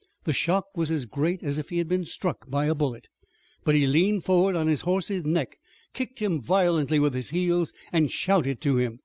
The shock was as great as if he had been struck by a bullet, but he leaned forward on his horse's neck, kicked him violently with his heels and shouted to him.